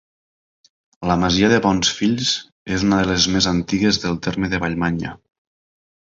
La masia de Bonsfills és una de les més antigues del terme de Vallmanya.